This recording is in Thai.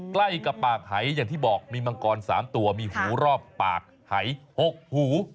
ใกล้กับปากหายอย่างที่บอกมีมังกร๓ตัวมีหูรอบปากหาย๖หู